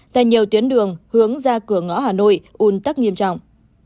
tại nhiều tuyến đường hướng ra cửa ngõ hà nội un tắc nghiêm trọng